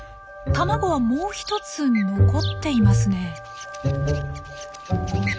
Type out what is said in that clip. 卵はもう一つ残っていますね。